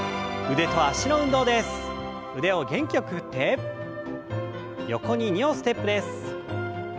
腕を元気よく振って横に２歩ステップです。